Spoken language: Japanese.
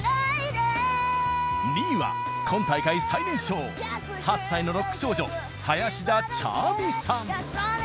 ２位は今大会最年少８歳のロック少女林田茶愛美さん。